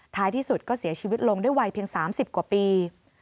ท้ายที่สุดก็เสียชีวิตลงด้วยวัยเพียง๓๐กว่าปี